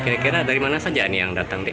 kira kira dari mana saja ini yang datang adik